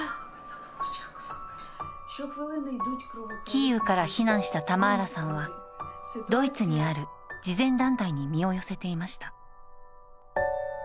キーウから避難したタマーラさんはドイツにある慈善団体に身を寄せていました。